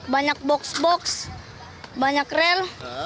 banyak box box banyak rel